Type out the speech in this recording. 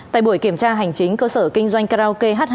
tại buổi kiểm tra hành chính cơ sở kinh doanh karaoke h hai